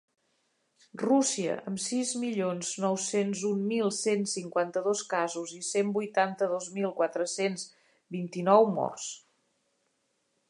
Rússia, amb sis milions nou-cents un mil cent cinquanta-dos casos i cent vuitanta-dos mil quatre-cents vint-i-nou morts.